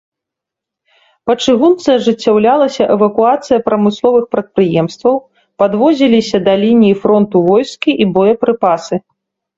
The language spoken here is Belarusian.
Па чыгунцы ажыццяўлялася эвакуацыя прамысловых прадпрыемстваў, падвозіліся да лініі фронту войскі і боепрыпасы.